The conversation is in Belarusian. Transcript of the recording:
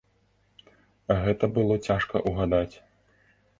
Гэта было цяжка ўгадаць.